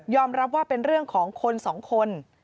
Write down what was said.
ยอมรับว่าเป็นเรื่องของคน๒คน